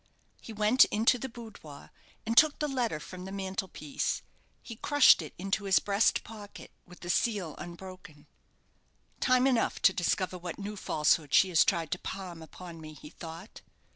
He went into the boudoir, and took the letter from the mantel piece. He crushed it into his breast pocket with the seal unbroken "Time enough to discover what new falsehood she has tried to palm upon me," he thought.